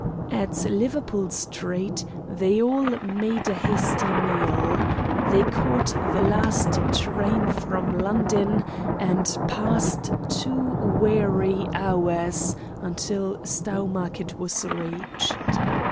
At Liverpool Street they all made a hasty meal. They caught the last train from London and passed two weary hours until Stowmarket was reached.